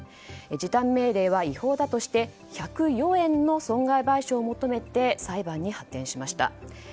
時短命令は違法だとして１０４円の損害賠償を求めて裁判に発展しました。